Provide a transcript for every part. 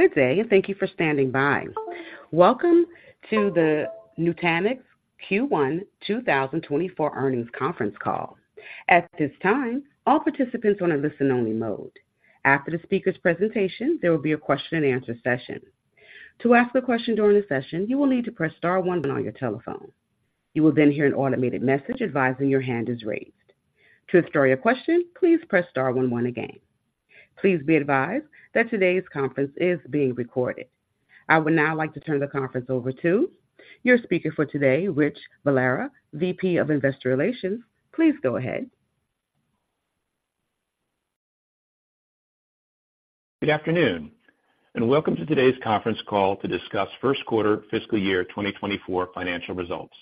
Good day, and thank you for standing by. Welcome to the Nutanix Q1 2024 Earnings Conference Call. At this time, all participants are on a listen-only mode. After the speaker's presentation, there will be a question-and-answer session. To ask a question during the session, you will need to press star one on your telephone. You will then hear an automated message advising your hand is raised. To withdraw your question, please press star one one again. Please be advised that today's conference is being recorded. I would now like to turn the conference over to your speaker for today, Rich Valera, VP of Investor Relations. Please go ahead. Good afternoon, and welcome to today's conference call to discuss first quarter fiscal year 2024 financial results.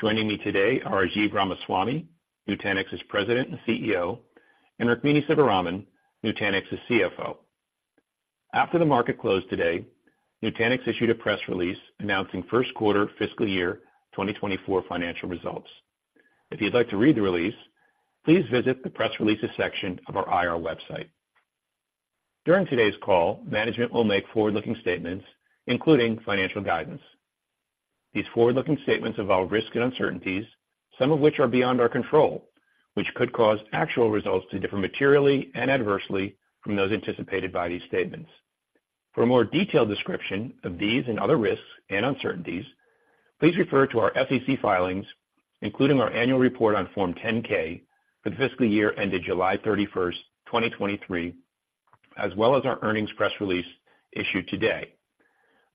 Joining me today are Rajiv Ramaswami, Nutanix's President and CEO, and Rukmini Sivaraman, Nutanix's CFO. After the market closed today, Nutanix issued a press release announcing first quarter fiscal year 2024 financial results. If you'd like to read the release, please visit the press releases section of our IR website. During today's call, management will make forward-looking statements, including financial guidance. These forward-looking statements involve risks and uncertainties, some of which are beyond our control, which could cause actual results to differ materially and adversely from those anticipated by these statements. For a more detailed description of these and other risks and uncertainties, please refer to our SEC filings, including our annual report on Form 10-K for the fiscal year ended July 31st, 2023, as well as our earnings press release issued today.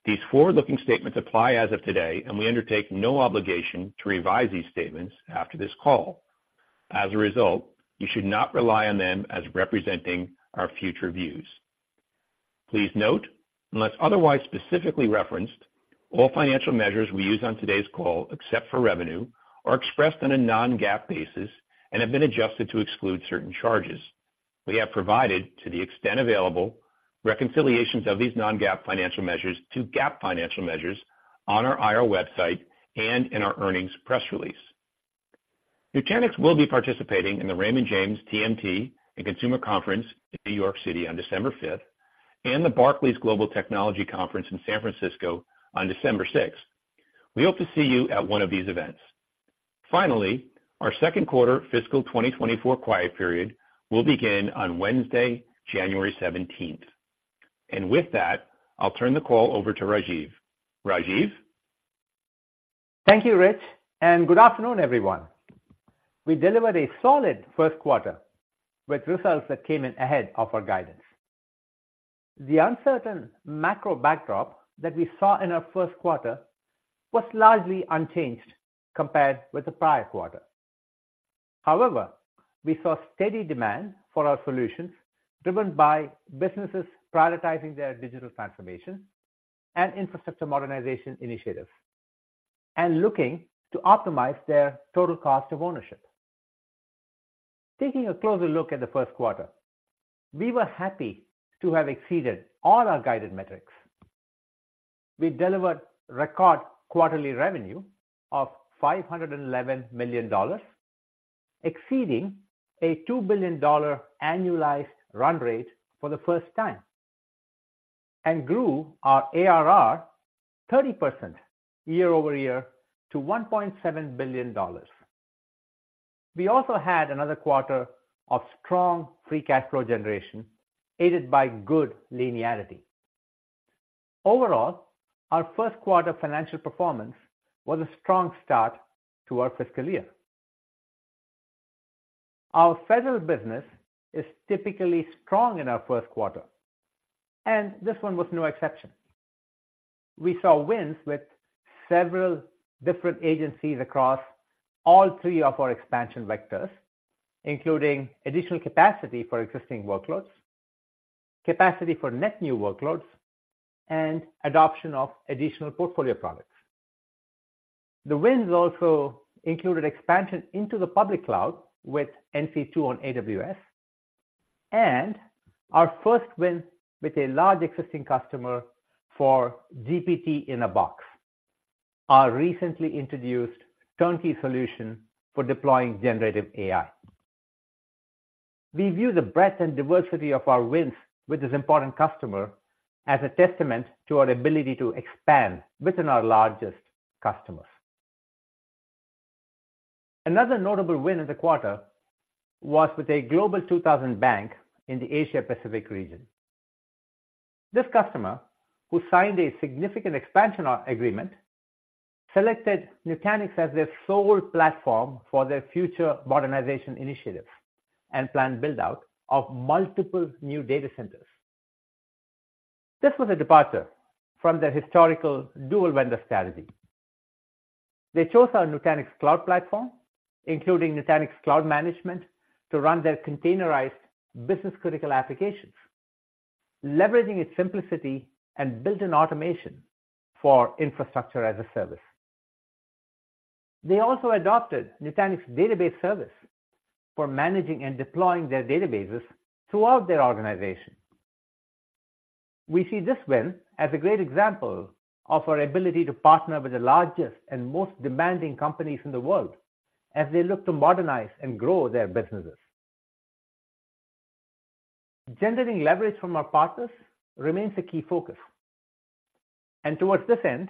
These forward-looking statements apply as of today, and we undertake no obligation to revise these statements after this call. As a result, you should not rely on them as representing our future views. Please note, unless otherwise specifically referenced, all financial measures we use on today's call, except for revenue, are expressed on a non-GAAP basis and have been adjusted to exclude certain charges. We have provided, to the extent available, reconciliations of these non-GAAP financial measures to GAAP financial measures on our IR website and in our earnings press release. Nutanix will be participating in the Raymond James TMT and Consumer Conference in New York City on December 5th, and the Barclays Global Technology Conference in San Francisco on December 6th. We hope to see you at one of these events. Finally, our second quarter fiscal 2024 quiet period will begin on Wednesday, January 17th. With that, I'll turn the call over to Rajiv. Rajiv? Thank you, Rich, and good afternoon, everyone. We delivered a solid first quarter with results that came in ahead of our guidance. The uncertain macro backdrop that we saw in our first quarter was largely unchanged compared with the prior quarter. However, we saw steady demand for our solutions, driven by businesses prioritizing their digital transformation and infrastructure modernization initiatives, and looking to optimize their total cost of ownership. Taking a closer look at the first quarter, we were happy to have exceeded all our guided metrics. We delivered record quarterly revenue of $511 million, exceeding a $2 billion annualized run rate for the first time, and grew our ARR 30% year-over-year to $1.7 billion. We also had another quarter of strong free cash flow generation, aided by good linearity. Overall, our first quarter financial performance was a strong start to our fiscal year. Our federal business is typically strong in our first quarter, and this one was no exception. We saw wins with several different agencies across all three of our expansion vectors, including additional capacity for existing workloads, capacity for net new workloads, and adoption of additional portfolio products. The wins also included expansion into the public cloud with NC2 on AWS, and our first win with a large existing customer for GPT-in-a-Box, our recently introduced turnkey solution for deploying generative AI. We view the breadth and diversity of our wins with this important customer as a testament to our ability to expand within our largest customers. Another notable win in the quarter was with a Global 2000 bank in the Asia Pacific region. This customer, who signed a significant expansion agreement, selected Nutanix as their sole platform for their future modernization initiatives and planned build-out of multiple new data centers. This was a departure from their historical dual-vendor strategy. They chose our Nutanix Cloud Platform, including Nutanix Cloud Management, to run their containerized business-critical applications, leveraging its simplicity and built-in automation for infrastructure as a service. They also adopted Nutanix Database Service for managing and deploying their databases throughout their organization. We see this win as a great example of our ability to partner with the largest and most demanding companies in the world, as they look to modernize and grow their businesses. Generating leverage from our partners remains a key focus. Towards this end,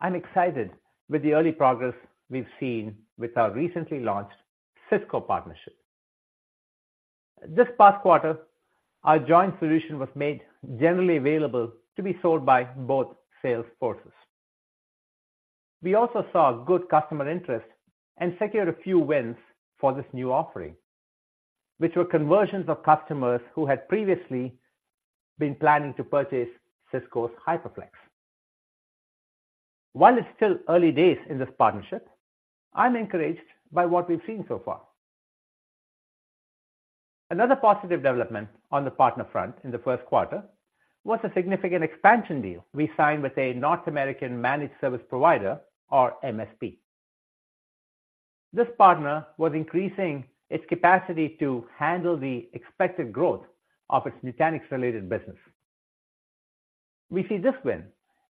I'm excited with the early progress we've seen with our recently launched Cisco partnership. This past quarter, our joint solution was made generally available to be sold by both sales forces. We also saw good customer interest and secured a few wins for this new offering, which were conversions of customers who had previously been planning to purchase Cisco's HyperFlex. While it's still early days in this partnership, I'm encouraged by what we've seen so far. Another positive development on the partner front in the first quarter was a significant expansion deal we signed with a North American managed service provider, or MSP. This partner was increasing its capacity to handle the expected growth of its Nutanix-related business. We see this win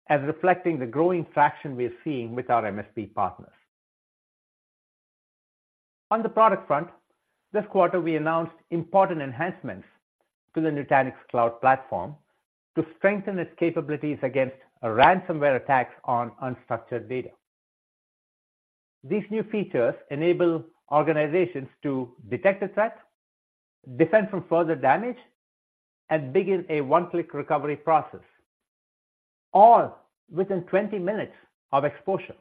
as reflecting the growing traction we are seeing with our MSP partners. On the product front, this quarter we announced important enhancements to the Nutanix Cloud Platform to strengthen its capabilities against ransomware attacks on unstructured data. These new features enable organizations to detect a threat, defend from further damage, and begin a one-click recovery process, all within 20 minutes of exposure.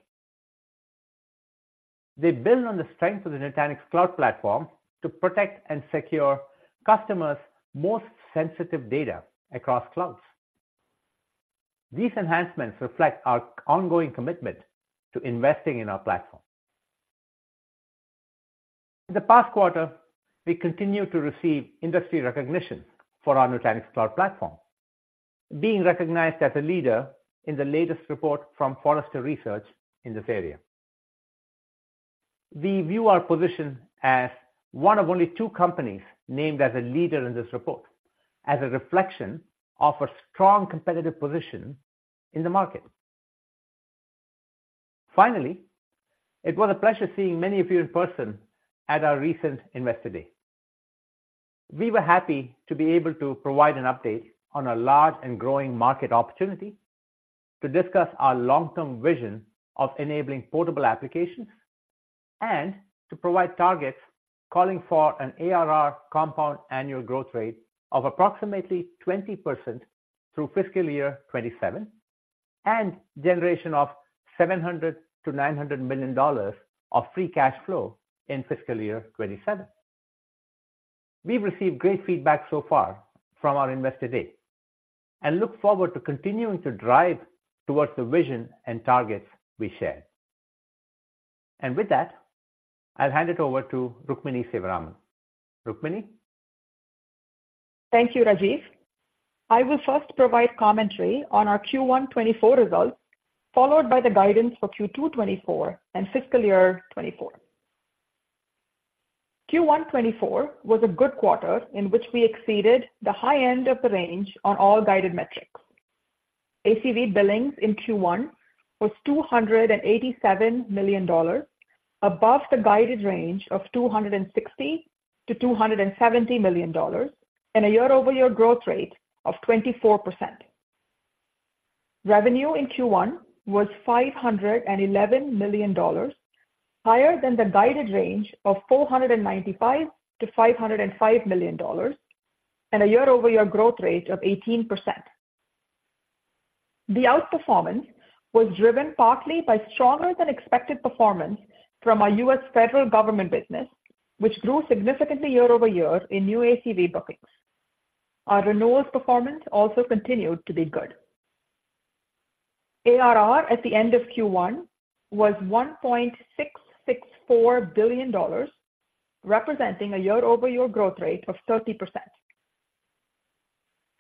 They build on the strength of the Nutanix Cloud Platform to protect and secure customers' most sensitive data across clouds. These enhancements reflect our ongoing commitment to investing in our platform. In the past quarter, we continued to receive industry recognition for our Nutanix Cloud Platform, being recognized as a leader in the latest report from Forrester Research in this area. We view our position as one of only two companies named as a leader in this report, as a reflection of a strong competitive position in the market. Finally, it was a pleasure seeing many of you in person at our recent Investor Day. We were happy to be able to provide an update on our large and growing market opportunity, to discuss our long-term vision of enabling portable applications, and to provide targets calling for an ARR compound annual growth rate of approximately 20% through fiscal year 2027, and generation of $700 million-$900 million of free cash flow in fiscal year 2027. We've received great feedback so far from our Investor Day and look forward to continuing to drive towards the vision and targets we shared. And with that, I'll hand it over to Rukmini Sivaraman. Rukmini? Thank you, Rajiv. I will first provide commentary on our Q1 2024 results, followed by the guidance for Q2 2024 and fiscal year 2024. Q1 2024 was a good quarter, in which we exceeded the high end of the range on all guided metrics. ACV billings in Q1 was $287 million, above the guided range of $260 million-$270 million, and a year-over-year growth rate of 24%. Revenue in Q1 was $511 million, higher than the guided range of $495 million-$505 million, and a year-over-year growth rate of 18%. The outperformance was driven partly by stronger-than-expected performance from our U.S. federal government business, which grew significantly year-over-year in new ACV bookings. Our renewals performance also continued to be good. ARR at the end of Q1 was $1.664 billion, representing a year-over-year growth rate of 30%.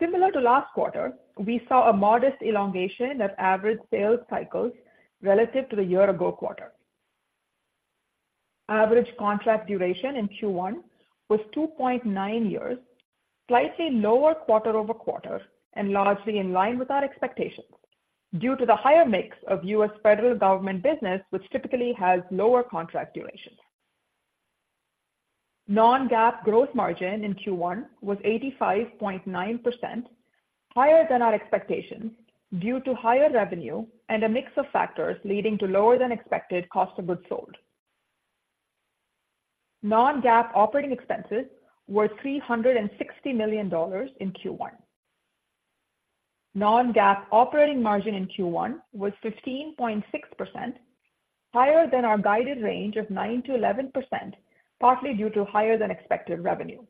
Similar to last quarter, we saw a modest elongation of average sales cycles relative to the year-ago quarter. Average contract duration in Q1 was 2.9 years, slightly lower quarter-over-quarter, and largely in line with our expectations, due to the higher mix of U.S. federal government business, which typically has lower contract durations. Non-GAAP gross margin in Q1 was 85.9%, higher than our expectations, due to higher revenue and a mix of factors leading to lower-than-expected cost of goods sold. Non-GAAP operating expenses were $360 million in Q1. Non-GAAP operating margin in Q1 was 15.6%, higher than our guided range of 9%-11%, partly due to higher-than-expected revenue.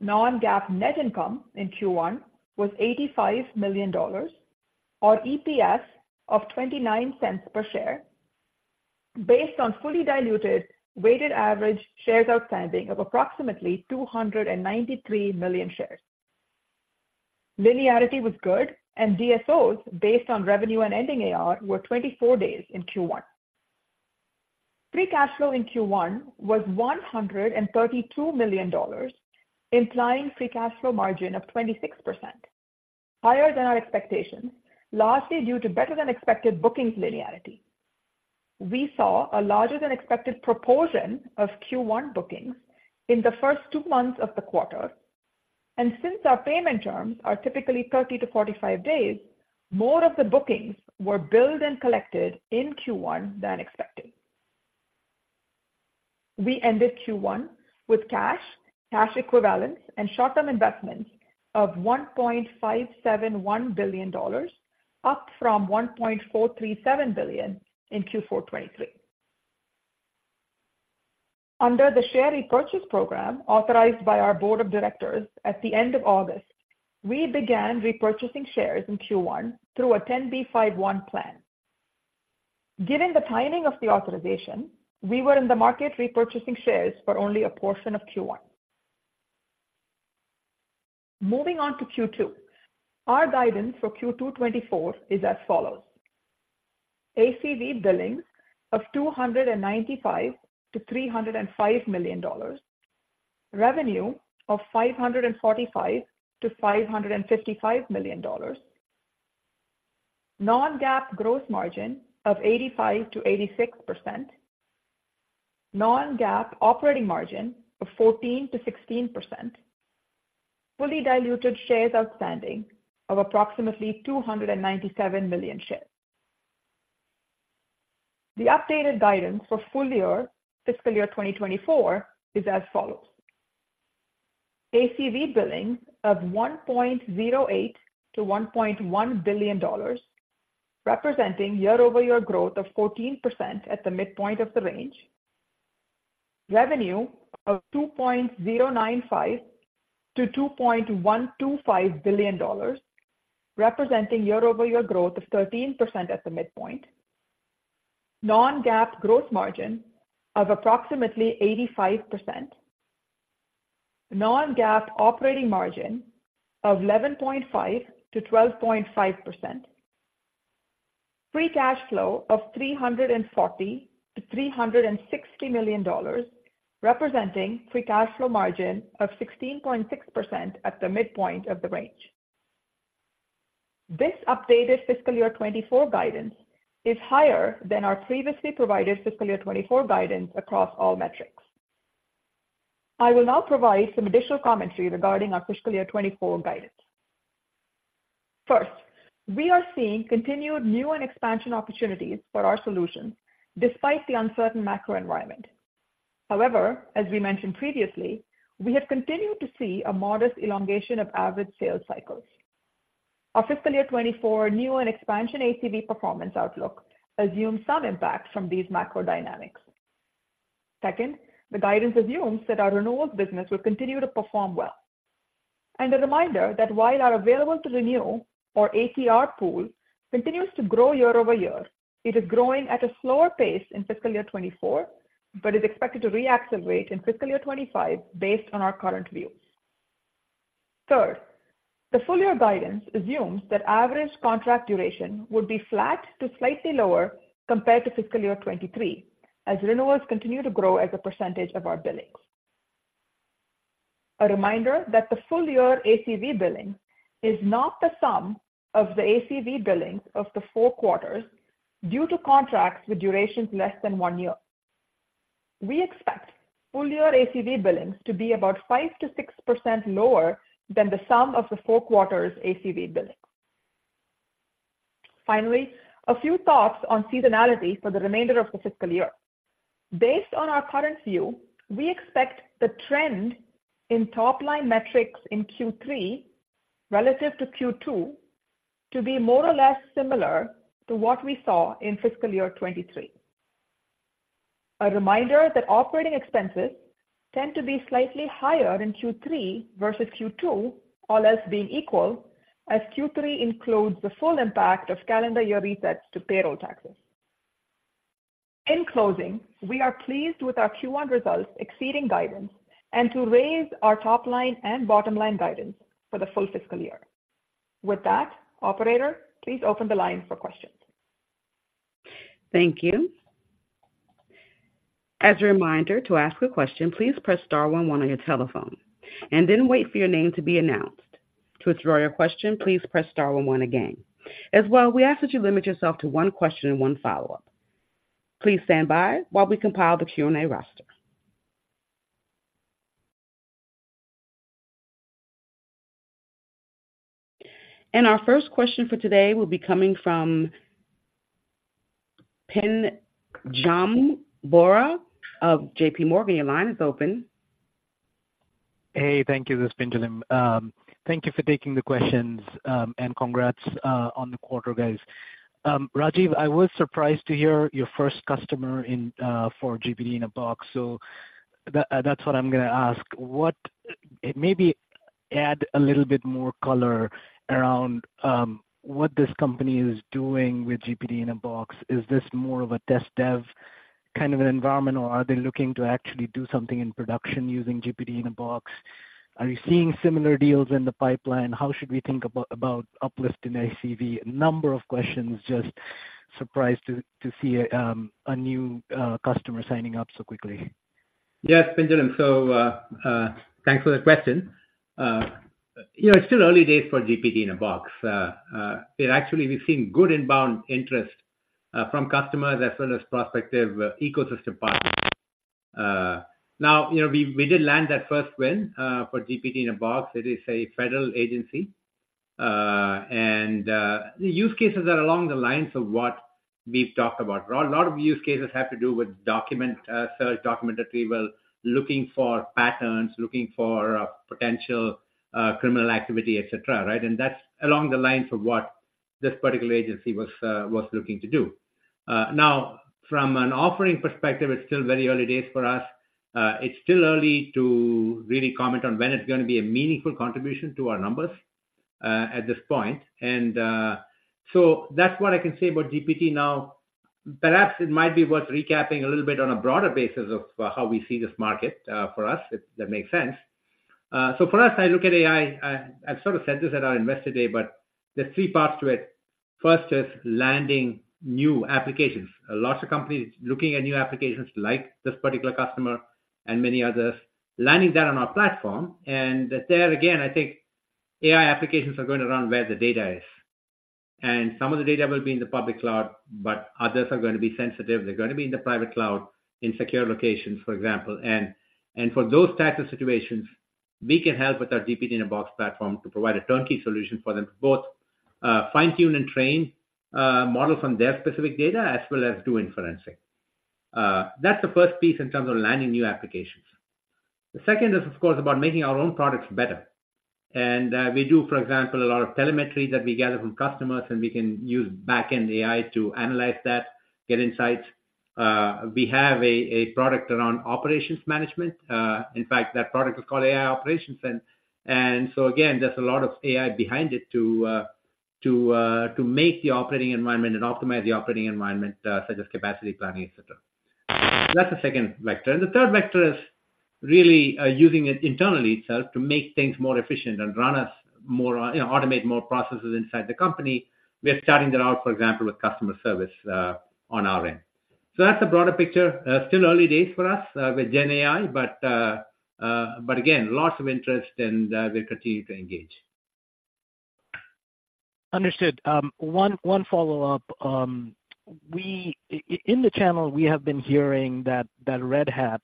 Non-GAAP net income in Q1 was $85 million, or EPS of 29 cents per share, based on fully diluted weighted average shares outstanding of approximately 293 million shares. Linearity was good, and DSOs, based on revenue and ending AR, were 24 days in Q1. Free cash flow in Q1 was $132 million, implying free cash flow margin of 26% higher than our expectations, largely due to better than expected bookings linearity. We saw a larger than expected proportion of Q1 bookings in the first two months of the quarter, and since our payment terms are typically 30-45 days, more of the bookings were billed and collected in Q1 than expected. We ended Q1 with cash, cash equivalents, and short-term investments of $1.571 billion, up from $1.437 billion in Q4 2023. Under the share repurchase program authorized by our board of directors at the end of August, we began repurchasing shares in Q1 through a 10b5-1 plan. Given the timing of the authorization, we were in the market repurchasing shares for only a portion of Q1. Moving on to Q2. Our guidance for Q2 2024 is as follows: ACV billings of $295 million-$305 million, revenue of $545 million-$555 million, non-GAAP gross margin of 85%-86%, non-GAAP operating margin of 14%-16%, fully diluted shares outstanding of approximately 297 million shares. The updated guidance for full year fiscal year 2024 is as follows: ACV billings of $1.08-$1.1 billion, representing year-over-year growth of 14% at the midpoint of the range, revenue of $2.095-$2.125 billion, representing year-over-year growth of 13% at the midpoint, non-GAAP gross margin of approximately 85%, non-GAAP operating margin of 11.5%-12.5%, free cash flow of $340-$360 million, representing free cash flow margin of 16.6% at the midpoint of the range. This updated fiscal year 2024 guidance is higher than our previously provided fiscal year 2024 guidance across all metrics. I will now provide some additional commentary regarding our fiscal year 2024 guidance. First, we are seeing continued new and expansion opportunities for our solutions despite the uncertain macro environment. However, as we mentioned previously, we have continued to see a modest elongation of average sales cycles. Our fiscal year 2024 new and expansion ACV performance outlook assumes some impact from these macro dynamics. Second, the guidance assumes that our renewals business will continue to perform well. A reminder that while our available to renew, or ATR pool, continues to grow year-over-year, it is growing at a slower pace in fiscal year 2024, but is expected to reaccelerate in fiscal year 2025, based on our current views. Third, the full year guidance assumes that average contract duration will be flat to slightly lower compared to fiscal year 2023, as renewals continue to grow as a percentage of our billings. A reminder that the full year ACV billing is not the sum of the ACV billings of the four quarters due to contracts with durations less than one year. We expect full year ACV billings to be about 5%-6% lower than the sum of the four quarters ACV billings. Finally, a few thoughts on seasonality for the remainder of the fiscal year. Based on our current view, we expect the trend in top-line metrics in Q3 relative to Q2 to be more or less similar to what we saw in fiscal year 2023. A reminder that operating expenses tend to be slightly higher in Q3 versus Q2, all else being equal, as Q3 includes the full impact of calendar year resets to payroll taxes. In closing, we are pleased with our Q1 results exceeding guidance and to raise our top line and bottom line guidance for the full fiscal year. With that, operator, please open the line for questions. Thank you. As a reminder, to ask a question, please press star one one on your telephone and then wait for your name to be announced. To withdraw your question, please press star one one again. As well, we ask that you limit yourself to one question and one follow-up. Please stand by while we compile the Q&A roster. Our first question for today will be coming from Pinjalim Bora of J.P. Morgan. Your line is open. Hey, thank you. This is Pinjalim. Thank you for taking the questions, and congrats on the quarter, guys. Rajiv, I was surprised to hear your first customer in for GPT-in-a-Box, so that's what I'm gonna ask. What, maybe add a little bit more color around what this company is doing with GPT-in-a-Box. Is this more of a test dev kind of an environment, or are they looking to actually do something in production using GPT-in-a-Box? Are you seeing similar deals in the pipeline? How should we think about, about uplift in ACV? A number of questions, just surprised to see a new customer signing up so quickly.... Yes, Pinjalim. So, thanks for the question. You know, it's still early days for GPT-in-a-Box. Actually, we've seen good inbound interest from customers as well as prospective ecosystem partners. Now, you know, we did land that first win for GPT-in-a-Box. It is a federal agency, and the use cases are along the lines of what we've talked about. A lot of use cases have to do with document search, document retrieval, looking for patterns, looking for potential criminal activity, et cetera, right? And that's along the lines of what this particular agency was looking to do. Now, from an offering perspective, it's still very early days for us. It's still early to really comment on when it's going to be a meaningful contribution to our numbers at this point. So that's what I can say about GPT now. Perhaps it might be worth recapping a little bit on a broader basis of how we see this market for us, if that makes sense. So for us, I look at AI. I've sort of said this at our Investor Day, but there are three parts to it. First is landing new applications. Lots of companies looking at new applications like this particular customer and many others. Landing that on our platform, and there again, I think AI applications are going to run where the data is, and some of the data will be in the public cloud, but others are going to be sensitive. They're going to be in the private cloud, in secure locations, for example. For those types of situations, we can help with our GPT-in-a-Box platform to provide a turnkey solution for them to both fine-tune and train models on their specific data, as well as do inferencing. That's the first piece in terms of landing new applications. The second is, of course, about making our own products better. We do, for example, a lot of telemetry that we gather from customers, and we can use backend AI to analyze that, get insights. We have a product around operations management. In fact, that product is called AI Operations. So again, there's a lot of AI behind it to make the operating environment and optimize the operating environment, such as capacity planning, et cetera. That's the second vector. The third vector is really using it internally itself to make things more efficient and run us more, you know, automate more processes inside the company. We are starting that out, for example, with customer service on our end. That's a broader picture. Still early days for us with GenAI, but again, lots of interest, and we'll continue to engage. Understood. One follow-up. In the channel, we have been hearing that Red Hat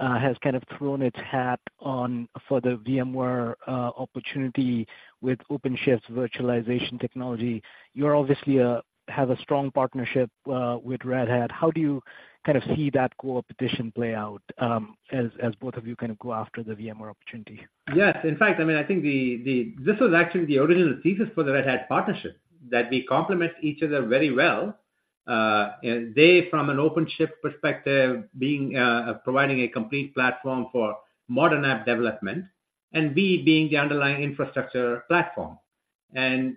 has kind of thrown its hat on for the VMware opportunity with OpenShift's virtualization technology. You obviously have a strong partnership with Red Hat. How do you kind of see that cooperation play out, as both of you kind of go after the VMware opportunity? Yes, in fact, I mean, I think this was actually the original thesis for the Red Hat partnership, that we complement each other very well. And they, from an OpenShift perspective, being providing a complete platform for modern app development, and we being the underlying infrastructure platform. And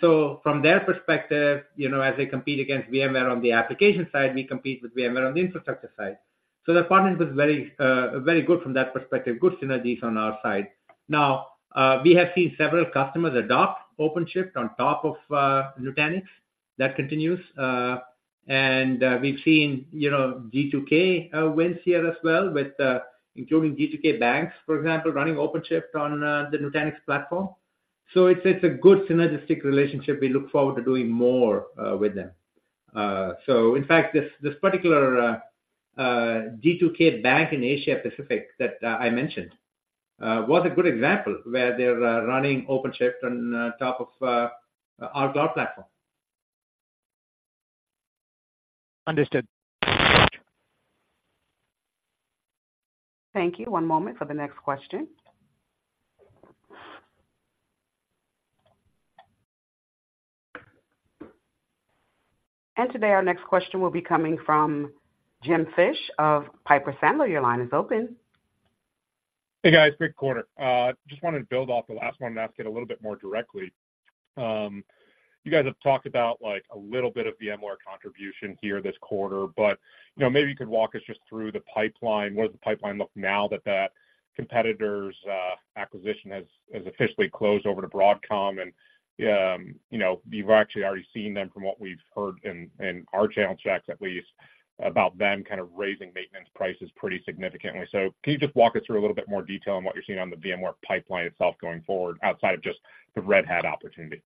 so from their perspective, you know, as they compete against VMware on the application side, we compete with VMware on the infrastructure side. So the partnership is very, very good from that perspective, good synergies on our side. Now, we have seen several customers adopt OpenShift on top of Nutanix. That continues. And we've seen, you know, G2K wins here as well, with including G2K banks, for example, running OpenShift on the Nutanix platform. So it's a good synergistic relationship. We look forward to doing more with them. So in fact, this particular G2K bank in Asia Pacific that I mentioned was a good example where they're running OpenShift on top of our cloud platform. Understood. Thank you. One moment for the next question. Today, our next question will be coming from Jim Fish of Piper Sandler. Your line is open. Hey, guys, great quarter. Just wanted to build off the last one and ask it a little bit more directly. You guys have talked about, like, a little bit of VMware contribution here this quarter, but, you know, maybe you could walk us just through the pipeline. What does the pipeline look now that that competitor's acquisition has officially closed over to Broadcom? And, you know, we've actually already seen them from what we've heard in our channel checks at least, about them kind of raising maintenance prices pretty significantly. So can you just walk us through a little bit more detail on what you're seeing on the VMware pipeline itself going forward, outside of just the Red Hat opportunity?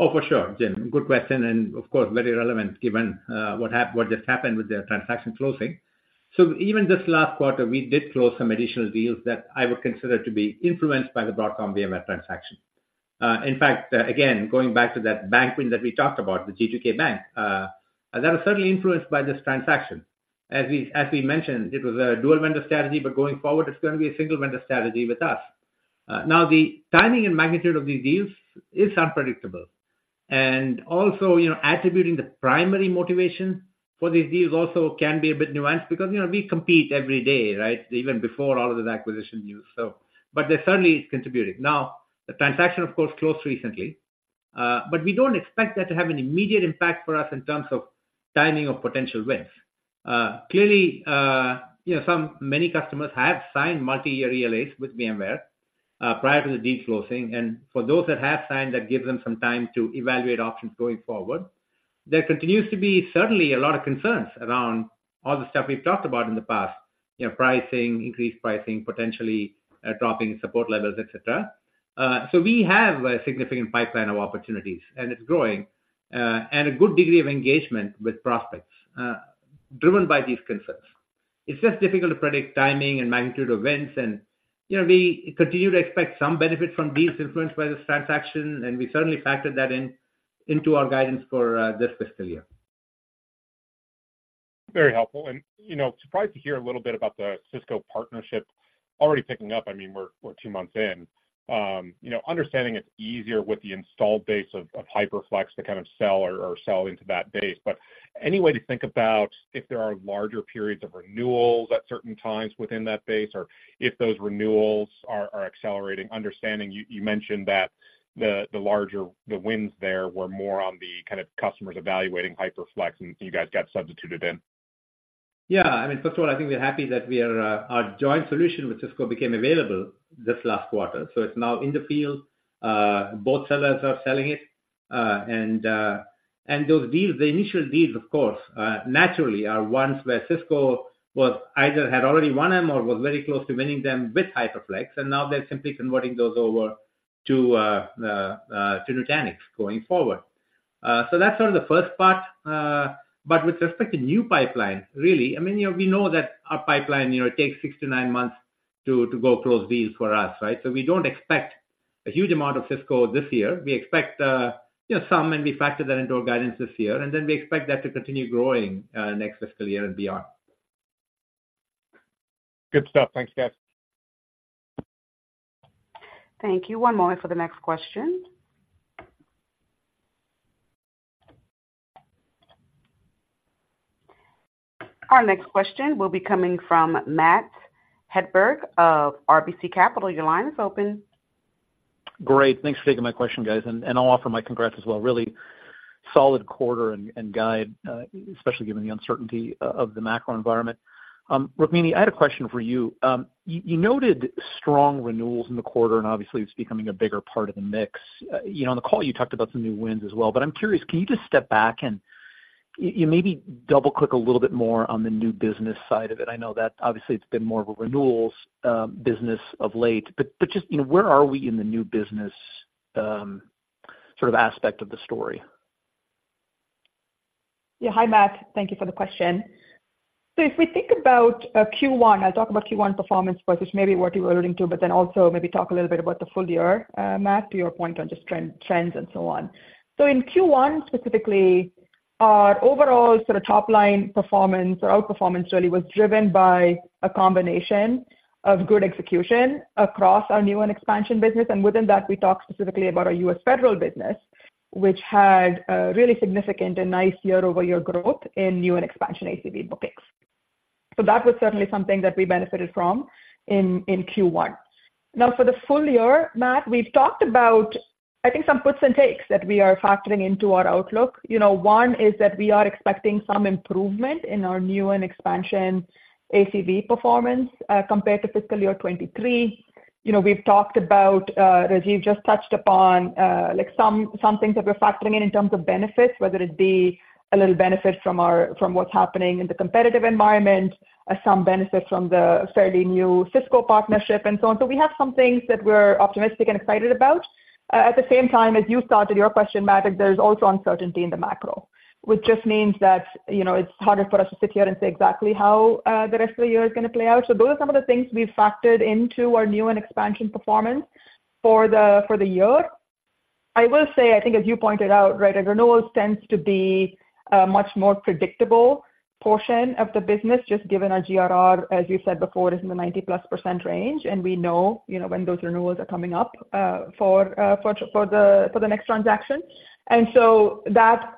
Oh, for sure, Jim. Good question, and of course, very relevant, given what just happened with their transaction closing. So even this last quarter, we did close some additional deals that I would consider to be influenced by the Broadcom-VMware transaction. In fact, again, going back to that bank win that we talked about, the G2K bank, that was certainly influenced by this transaction. As we, as we mentioned, it was a dual vendor strategy, but going forward, it's going to be a single vendor strategy with us. Now, the timing and magnitude of these deals is unpredictable. And also, you know, attributing the primary motivation for these deals also can be a bit nuanced because, you know, we compete every day, right? Even before all of these acquisition deals. So... But they're certainly contributing. Now, the transaction, of course, closed recently, but we don't expect that to have an immediate impact for us in terms of timing of potential wins. Clearly, you know, many customers have signed multi-year ELAs with VMware, prior to the deal closing, and for those that have signed, that gives them some time to evaluate options going forward... There continues to be certainly a lot of concerns around all the stuff we've talked about in the past, you know, pricing, increased pricing, potentially, dropping support levels, et cetera. So we have a significant pipeline of opportunities, and it's growing, and a good degree of engagement with prospects, driven by these concerns. It's just difficult to predict timing and magnitude of events, and, you know, we continue to expect some benefit from these influenced by this transaction, and we certainly factored that in, into our guidance for this fiscal year. Very helpful, and you know, surprised to hear a little bit about the Cisco partnership already picking up. I mean, we're two months in. You know, understanding it's easier with the installed base of HyperFlex to kind of sell into that base. But any way to think about if there are larger periods of renewals at certain times within that base, or if those renewals are accelerating? Understanding you mentioned that the larger wins there were more on the kind of customers evaluating HyperFlex, and you guys got substituted in. Yeah. I mean, first of all, I think we're happy that our joint solution with Cisco became available this last quarter. So it's now in the field. Both sellers are selling it. And those deals, the initial deals, of course, naturally are ones where Cisco was either had already won them or was very close to winning them with HyperFlex, and now they're simply converting those over to Nutanix going forward. So that's sort of the first part, but with respect to new pipeline, really, I mean, you know, we know that our pipeline, you know, takes 6-9 months to go close deals for us, right? So we don't expect a huge amount of Cisco this year. We expect, you know, some, and we factor that into our guidance this year, and then we expect that to continue growing next fiscal year and beyond. Good stuff. Thanks, guys. Thank you. One moment for the next question. Our next question will be coming from Matt Hedberg of RBC Capital. Your line is open. Great. Thanks for taking my question, guys, and I'll offer my congrats as well. Really solid quarter and guide, especially given the uncertainty of the macro environment. Rukmini, I had a question for you. You noted strong renewals in the quarter, and obviously it's becoming a bigger part of the mix. You know, on the call, you talked about some new wins as well. But I'm curious, can you just step back and you maybe double-click a little bit more on the new business side of it? I know that obviously it's been more of a renewals business of late, but just, you know, where are we in the new business sort of aspect of the story? Yeah. Hi, Matt. Thank you for the question. So if we think about Q1, I'll talk about Q1 performance first, which may be what you're alluding to, but then also maybe talk a little bit about the full year, Matt, to your point on just trend, trends and so on. So in Q1, specifically, our overall sort of top line performance or outperformance really was driven by a combination of good execution across our new and expansion business, and within that, we talked specifically about our U.S. federal business, which had a really significant and nice year-over-year growth in new and expansion ACV bookings. So that was certainly something that we benefited from in Q1. Now, for the full year, Matt, we've talked about, I think, some puts and takes that we are factoring into our outlook. You know, one is that we are expecting some improvement in our new and expansion ACV performance, compared to fiscal year 2023. You know, we've talked about, Rajiv just touched upon, like, some things that we're factoring in in terms of benefits, whether it be a little benefit from what's happening in the competitive environment, some benefits from the fairly new Cisco partnership and so on. So we have some things that we're optimistic and excited about. At the same time, as you started your question, Matt, there's also uncertainty in the macro, which just means that, you know, it's harder for us to sit here and say exactly how the rest of the year is going to play out. So those are some of the things we've factored into our new and expansion performance for the year. I will say, I think as you pointed out, right, our renewals tends to be a much more predictable portion of the business, just given our GRR, as you said before, is in the 90%+ range, and we know, you know, when those renewals are coming up, for the next transaction. And so that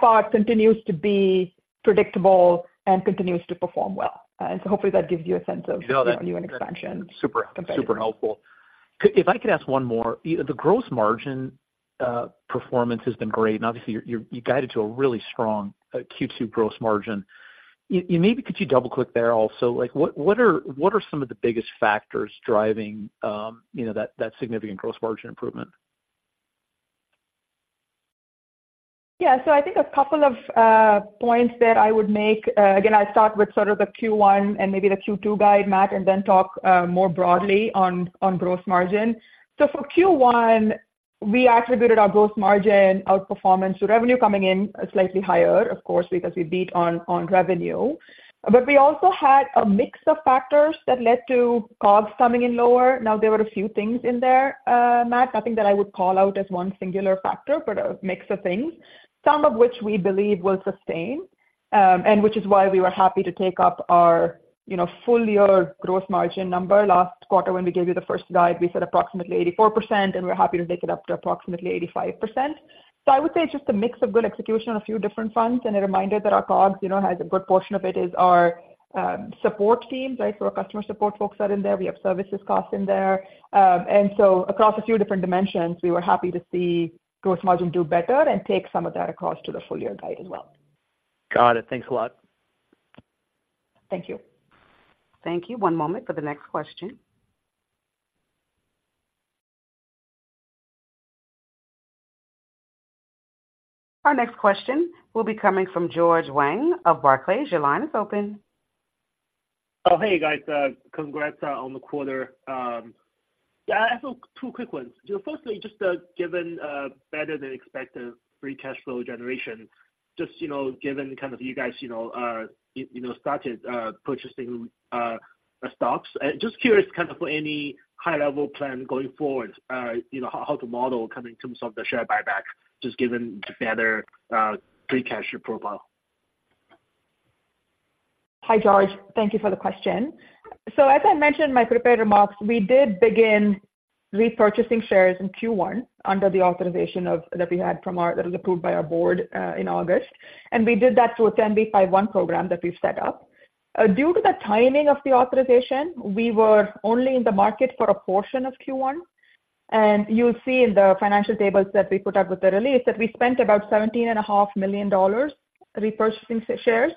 part continues to be predictable and continues to perform well. And so hopefully that gives you a sense of- No, that- New and expansion. Super, super helpful. If I could ask one more. The gross margin performance has been great, and obviously, you guided to a really strong Q2 gross margin. You maybe could double-click there also? Like, what are some of the biggest factors driving, you know, that significant gross margin improvement? Yeah. So I think a couple of points that I would make, again, I start with sort of the Q1 and maybe the Q2 guide, Matt, and then talk more broadly on gross margin. So for Q1, we attributed our gross margin outperformance to revenue coming in slightly higher, of course, because we beat on revenue. But we also had a mix of factors that led to costs coming in lower. Now, there were a few things in there, Matt, nothing that I would call out as one singular factor, but a mix of things, some of which we believe will sustain, and which is why we were happy to take up our, you know, full year gross margin number. Last quarter, when we gave you the first guide, we said approximately 84%, and we're happy to take it up to approximately 85%. So I would say it's just a mix of good execution on a few different fronts, and a reminder that our COGS, you know, has a good portion of it, is our support teams, right? So our customer support folks are in there. We have services costs in there. And so across a few different dimensions, we were happy to see gross margin do better and take some of that across to the full year guide as well. Got it. Thanks a lot. Thank you. Thank you. One moment for the next question. Our next question will be coming from George Wang of Barclays. Your line is open. Oh, hey, guys. Congrats on the quarter. Yeah, I have two quick ones. Firstly, just given better than expected free cash flow generation, just, you know, given kind of you guys, you know, started purchasing stocks. Just curious, kind of for any high level plan going forward, you know, how to model kind in terms of the share buyback, just given the better free cash flow profile. Hi, George. Thank you for the question. So as I mentioned in my prepared remarks, we did begin repurchasing shares in Q1 under the authorization of... that we had from our-- that was approved by our board in August, and we did that through a 10b5-1 program that we've set up. Due to the timing of the authorization, we were only in the market for a portion of Q1, and you'll see in the financial tables that we put out with the release, that we spent about $17.5 million repurchasing shares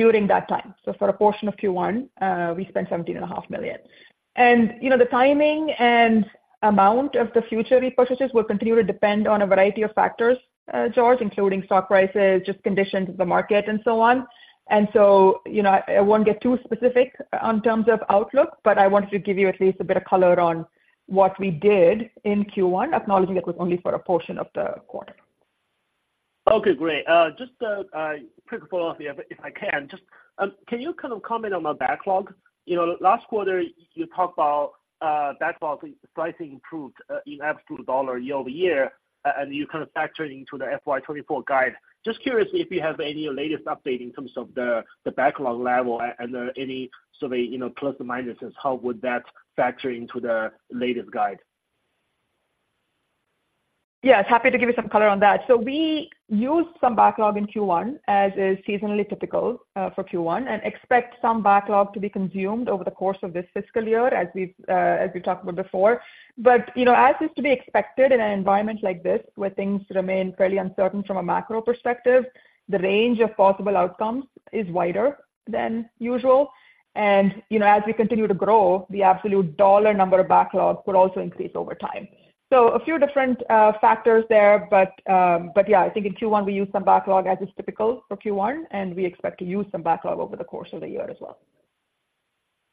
during that time. So for a portion of Q1, we spent $17.5 million. You know, the timing and amount of the future repurchases will continue to depend on a variety of factors, George, including stock prices, just conditions of the market and so on. And so, you know, I won't get too specific on terms of outlook, but I wanted to give you at least a bit of color on what we did in Q1, acknowledging that was only for a portion of the quarter. Okay, great. Just a quick follow-up, if I can. Just, can you kind of comment on the backlog? You know, last quarter, you talked about backlog pricing improved in absolute dollar year over year, and you kind of factored into the FY 2024 guide. Just curious if you have any latest update in terms of the backlog level and any sort of, you know, plus or minuses, how would that factor into the latest guide? Yes, happy to give you some color on that. So we used some backlog in Q1, as is seasonally typical, for Q1, and expect some backlog to be consumed over the course of this fiscal year, as we've talked about before. But, you know, as is to be expected in an environment like this, where things remain fairly uncertain from a macro perspective, the range of possible outcomes is wider than usual. And, you know, as we continue to grow, the absolute dollar number of backlogs will also increase over time. So a few different factors there, but yeah, I think in Q1, we used some backlog, as is typical for Q1, and we expect to use some backlog over the course of the year as well.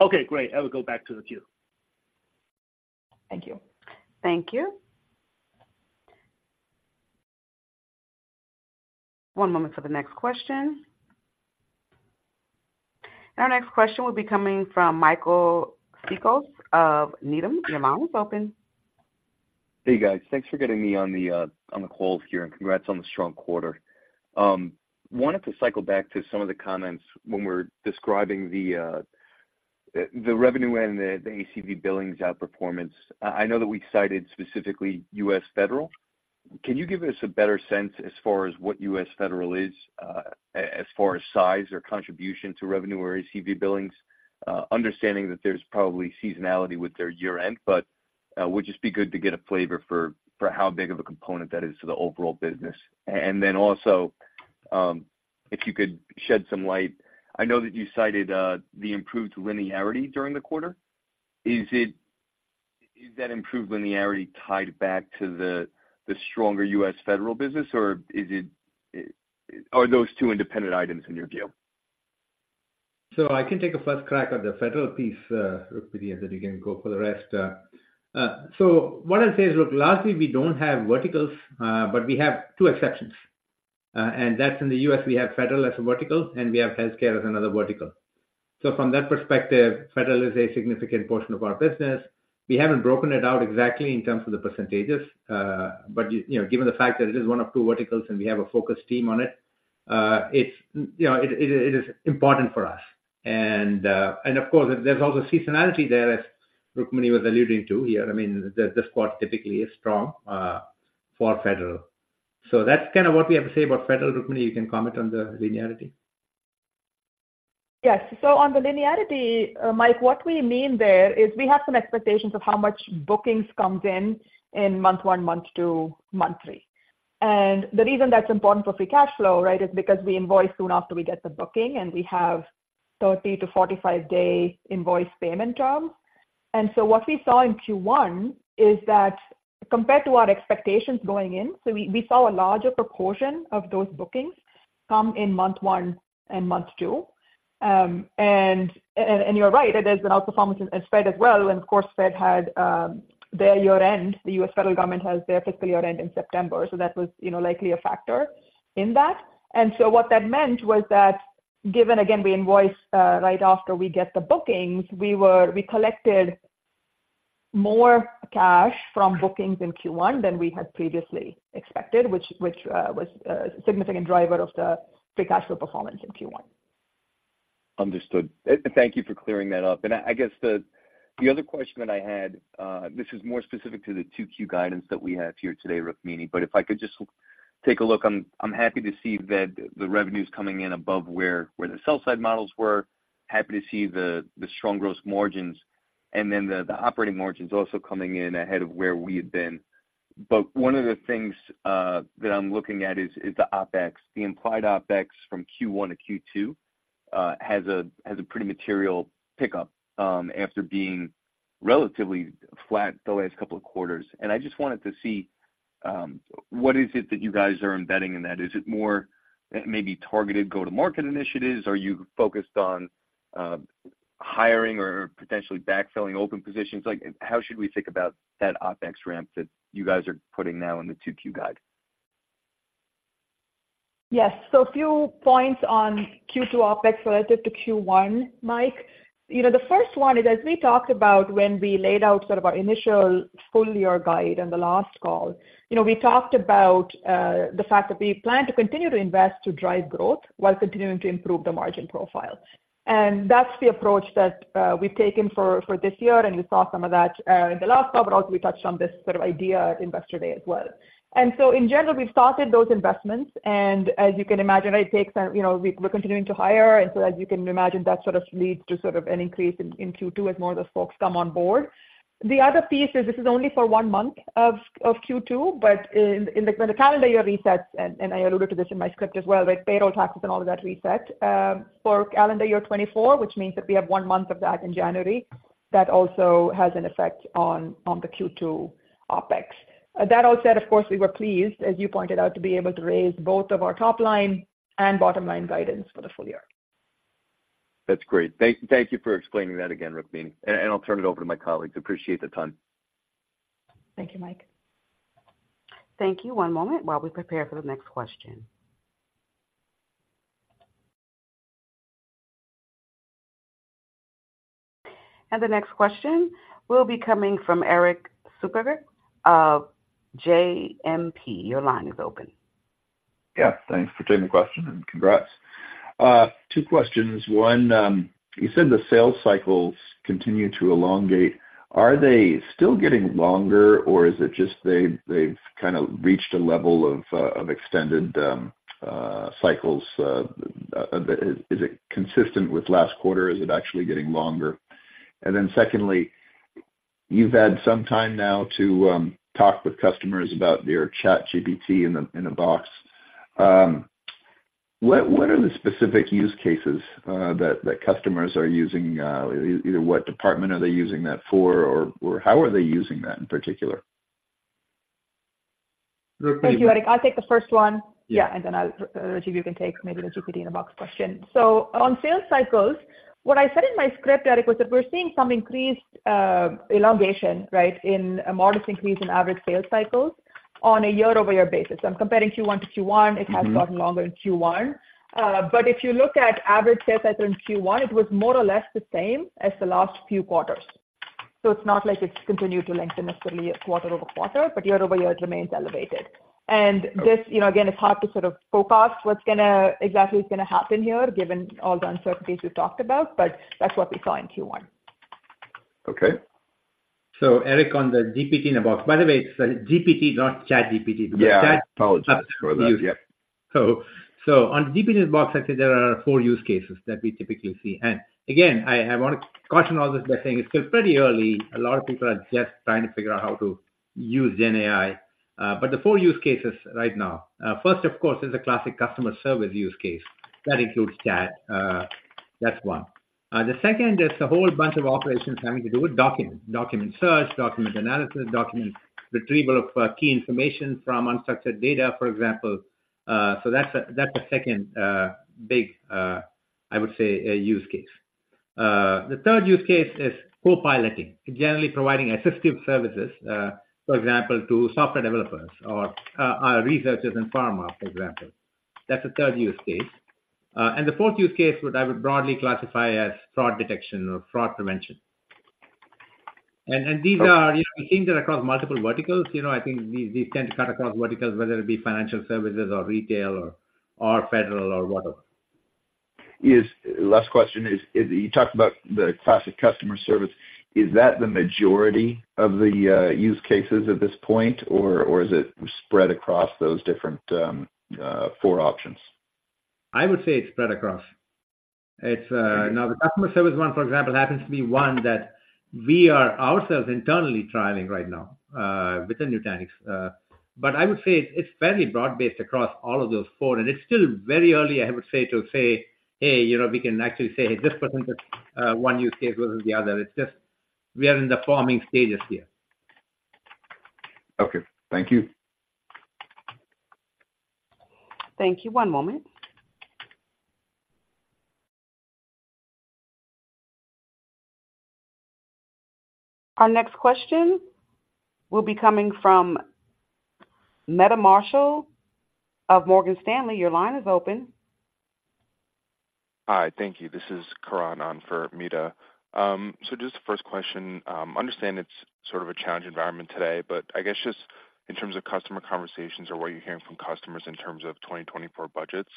Okay, great. I will go back to the queue. Thank you. Thank you. One moment for the next question. Our next question will be coming from Michael Cikos of Needham. Your line is open. Hey, guys. Thanks for getting me on the call here, and congrats on the strong quarter. Wanted to cycle back to some of the comments when we're describing the revenue and the ACV billings outperformance. I know that we cited specifically U.S. Federal. Can you give us a better sense as far as what U.S. Federal is as far as size or contribution to revenue or ACV billings? Understanding that there's probably seasonality with their year-end, but would just be good to get a flavor for how big of a component that is to the overall business. And then also, if you could shed some light, I know that you cited the improved linearity during the quarter. Is it... Is that improved linearity tied back to the stronger US Federal business, or is it, are those two independent items in your view? So I can take a first crack at the Federal piece, Rukmini, and then you can go for the rest. So what I'll say is, look, lastly, we don't have verticals, but we have two exceptions. And that's in the U.S., we have Federal as a vertical, and we have healthcare as another vertical. So from that perspective, Federal is a significant portion of our business. We haven't broken it out exactly in terms of the percentages, but you know, given the fact that it is one of two verticals and we have a focused team on it, it's, you know, it is important for us. And of course, there's also seasonality there, as Rukmini was alluding to here. I mean, this spot typically is strong for Federal. That's kind of what we have to say about Federal. Rukmini, you can comment on the linearity. Yes. So on the linearity, Mike, what we mean there is we have some expectations of how much bookings comes in, in month one, month two, month three. The reason that's important for free cash flow, right, is because we invoice soon after we get the booking, and we have 30-45 day invoice payment terms. So what we saw in Q1 is that compared to our expectations going in, so we saw a larger proportion of those bookings come in month one and month two. And you're right, it is an outperformance in Fed as well. And of course, Fed had their year-end. The U.S. Federal government has their fiscal year-end in September, so that was, you know, likely a factor in that. So what that meant was that, given, again, we invoice right after we get the bookings, we collected more cash from bookings in Q1 than we had previously expected, which was a significant driver of the free cash flow performance in Q1. Understood. Thank you for clearing that up. And I guess the other question that I had, this is more specific to the 2Q guidance that we have here today, Rukmini, but if I could just take a look, I'm happy to see that the revenue's coming in above where the sell side models were. Happy to see the strong gross margins, and then the operating margins also coming in ahead of where we had been. But one of the things that I'm looking at is the OpEx. The implied OpEx from Q1-Q2 has a pretty material pickup after being relatively flat the last couple of quarters. And I just wanted to see what is it that you guys are embedding in that? Is it more maybe targeted go-to-market initiatives? Are you focused on hiring or potentially backfilling open positions? Like, how should we think about that OpEx ramp that you guys are putting now in the 2Q guide? Yes. So a few points on Q2 OpEx relative to Q1, Mike. You know, the first one is, as we talked about when we laid out sort of our initial full year guide on the last call, you know, we talked about, the fact that we plan to continue to invest to drive growth while continuing to improve the margin profile. And that's the approach that, we've taken for, for this year, and you saw some of that, in the last call, but also we touched on this sort of idea at Investor Day as well. And so in general, we've started those investments, and as you can imagine, it takes a-- you know, we're continuing to hire. And so as you can imagine, that sort of leads to sort of an increase in, in Q2 as more of those folks come on board. The other piece is this is only for one month of Q2, but in the, when the calendar year resets, and I alluded to this in my script as well, like payroll taxes and all of that reset for calendar year 2024, which means that we have one month of that in January. That also has an effect on the Q2 OpEx. That all said, of course, we were pleased, as you pointed out, to be able to raise both of our top line and bottom line guidance for the full year. That's great. Thank you for explaining that again, Rukmini, and I'll turn it over to my colleagues. Appreciate the time. Thank you, Mike. Thank you. One moment while we prepare for the next question. The next question will be coming from Erik Suppiger of JMP. Your line is open. Yeah, thanks for taking the question, and congrats. Two questions. One, you said the sales cycles continue to elongate. Are they still getting longer, or is it just they, they've kind of reached a level of extended cycles? Is it consistent with last quarter or is it actually getting longer? And then secondly, you've had some time now to talk with customers about your GPT-in-a-Box. What are the specific use cases that customers are using? Either what department are they using that for, or how are they using that in particular? Thank you, Erik. I'll take the first one. Yeah. Yeah, and then I'll, Rajiv, you can take maybe the GPT-in-a-Box question. So on sales cycles, what I said in my script, Erik, was that we're seeing some increased elongation, right, in a modest increase in average sales cycles on a year-over-year basis. I'm comparing Q1-Q1. Mm-hmm. It has gotten longer in Q1. If you look at average sales cycles in Q1, it was more or less the same as the last few quarters. It's not like it's continued to lengthen necessarily quarter-over-quarter, but year-over-year it remains elevated. Okay. And this, you know, again, it's hard to sort of forecast what's gonna... exactly is gonna happen here, given all the uncertainties we've talked about, but that's what we saw in Q1. Okay. Erik, on the GPT-in-a-Box. By the way, it's GPT, not ChatGPT. Yeah, apologize for that. Yeah. So on GPT-in-a-Box, I'd say there are four use cases that we typically see. And again, I want to caution all this by saying it's still pretty early. A lot of people are just trying to figure out how to use GenAI. But the four use cases right now, first, of course, is the classic customer service use case. That includes chat, that's one. The second is a whole bunch of operations having to do with documents: document search, document analysis, document retrieval of key information from unstructured data, for example. So that's the second big use case, I would say. The third use case is co-piloting, generally providing assistive services, for example, to software developers or researchers in pharma, for example. That's the third use case. And the fourth use case, which I would broadly classify as fraud detection or fraud prevention. And these are, you know, things that across multiple verticals, you know, I think these, these tend to cut across verticals, whether it be financial services or retail or, or federal or whatever. Last question is, is you talked about the classic customer service. Is that the majority of the use cases at this point, or is it spread across those different four options? I would say it's spread across. It's, now, the customer service one, for example, happens to be one that we are ourselves internally trialing right now, within Nutanix. But I would say it's fairly broad-based across all of those four, and it's still very early, I would say, to say, "Hey, you know, we can actually say, hey, this percentage, one use case versus the other." It's just we are in the forming stages here. Okay, thank you. Thank you. One moment. Our next question will be coming from Meta Marshall of Morgan Stanley. Your line is open. Hi. Thank you. This is Karan on for Meta. So just the first question, understand it's sort of a challenging environment today, but I guess just in terms of customer conversations or what you're hearing from customers in terms of 2024 budgets,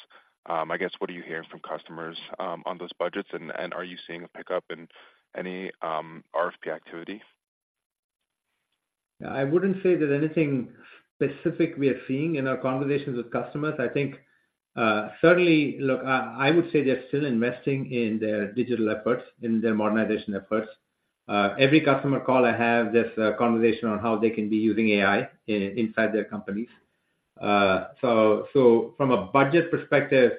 I guess, what are you hearing from customers on those budgets? And are you seeing a pickup in any RFP activity? I wouldn't say there's anything specific we are seeing in our conversations with customers. I think certainly, look, I would say they're still investing in their digital efforts, in their modernization efforts. Every customer call I have, there's a conversation on how they can be using AI inside their companies. So from a budget perspective,